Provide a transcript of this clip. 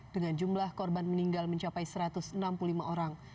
dengan jumlah korban meninggal mencapai satu ratus enam puluh lima orang